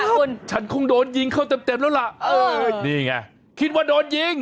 ค่ะคุณฉันคงโดนยิงเข้าเต็มแล้วล่ะนี่ไงคิดว่าโดนยิง